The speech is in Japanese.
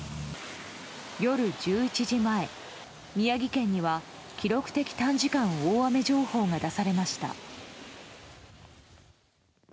夜１１時前、宮城県には記録的短時間大雨情報が出されました。